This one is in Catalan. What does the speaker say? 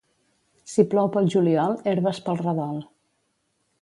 Si plou pel juliol, herbes pel redol.